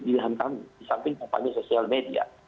pilihan kami di samping social media